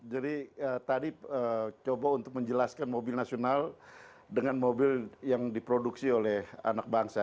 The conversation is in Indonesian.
jadi tadi coba untuk menjelaskan mobil nasional dengan mobil yang diproduksi oleh anak bangsa